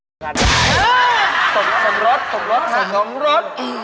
ส่งรถส่งรถส่งรถ